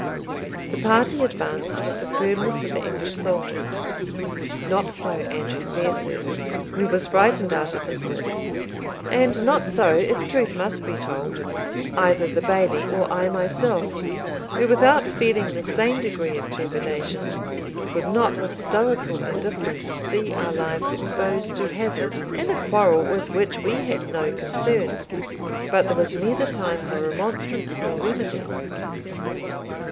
The party advanced with the firmness of English soldiers. Not so Andrew Fairservice, who was frightened out of his wits; and not so, if truth must be told, either the Bailie or I myself, who, without feeling the same degree of trepidation, could not with stoical indifference see our lives exposed to hazard in a quarrel with which we had no concern. But there was neither time for remonstrance nor remedy.